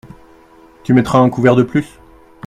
Tu mettras un couvert de plus.